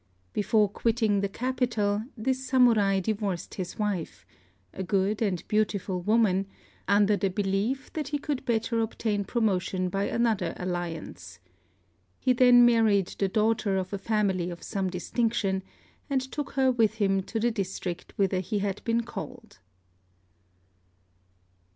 Before quitting the capital, this Samurai divorced his wife, a good and beautiful woman, under the belief that he could better obtain promotion by another alliance. He then married the daughter of a family of some distinction, and took her with him to the district whither he had been called.